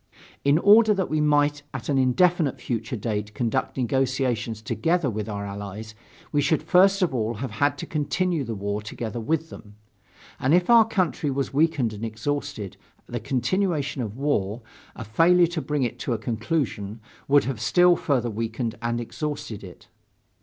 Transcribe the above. In order that we might at an indefinite future date conduct negotiations together with our Allies, we should first of all have had to continue the war together with them. And if our country was weakened and exhausted, the continuation of the war, a failure to bring it to a conclusion, would have still further weakened and exhausted it.